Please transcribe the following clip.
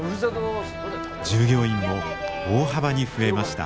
従業員も大幅に増えました。